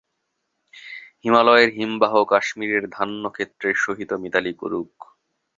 হিমালয়ের হিমবাহ কাশ্মীরের ধান্যক্ষেত্রের সহিত মিতালি করুক।